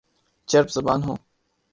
چرب زبان ہوں